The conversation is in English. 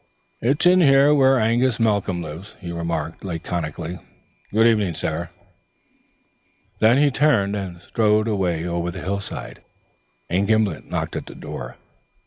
"It's in here whar Angus Malcolm lives," he remarked laconically. "Good evening, sir." He turned and strode away over the hillside, and Gimblet knocked at the door.